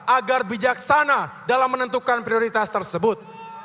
agar bijaksana dalam menentukan prioritas tersebut